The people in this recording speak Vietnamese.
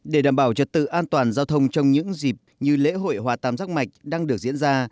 để đảm bảo trật tự an toàn giao thông trong những dịp như lễ hội hoa tam giác mạch đang được diễn ra